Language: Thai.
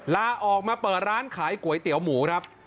ลาออกมาเปิดร้านขายก๋วยเตี๋ยวหมูครับ